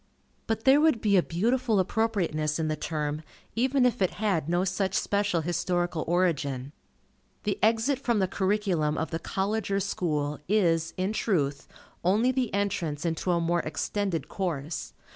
But there would be a beautiful appropriateness in the term, even if it had no such special historical origin. The exit from the curriculum of the College or School, is, in truth, only the entrance into a more extended course.